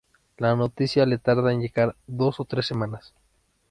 La noticia le tarda en llegar dos o tres semanas.